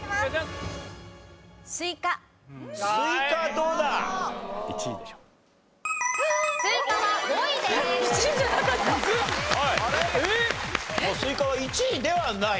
スイカは１位ではない。